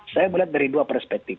saya melihat dari dua perspektif